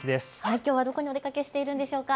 きょうはどこにお出かけしているんでしょうか。